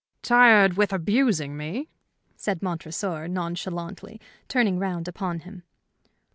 "Tired with abusing me?" said Montresor, nonchalantly, turning round upon him.